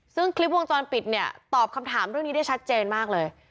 ซึ่งคลิปวงจรปิดเนี่ยตอบคำถามเรื่องนี้ได้ชัดเจนมากเลย